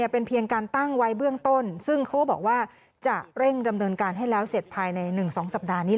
เพิ่งการบัตรเก็บต่าง